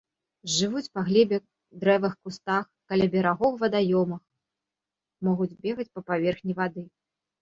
Жывуць па глебе, дрэвах, кустах, каля берагоў вадаёмаў, могуць бегаць па паверхні вады.